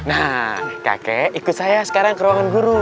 nah kakek ikut saya sekarang ke ruangan guru